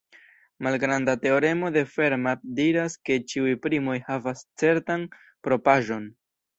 Malgranda teoremo de Fermat diras ke ĉiuj primoj havas certan propraĵon.